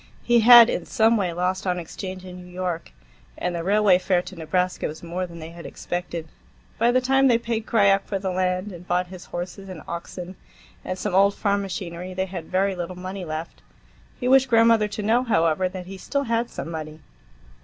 He had in some way lost on exchange in New York, and the railway fare to Nebraska was more than they had expected. By the time they paid Krajiek for the land, and bought his horses and oxen and some old farm machinery, they had very little money left. He wished grandmother to know, however, that he still had some money.